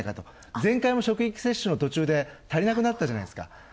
前回も職域接種の途中で足りなくなったじゃないですか。